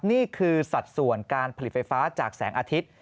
นี่คือสัดส่วนการผลิตไฟฟ้าจากแสงอาทิตย์